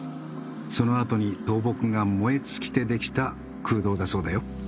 そのあとに倒木が燃え尽きてできた空洞だそうだよ。